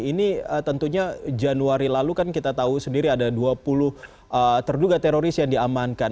ini tentunya januari lalu kan kita tahu sendiri ada dua puluh terduga teroris yang diamankan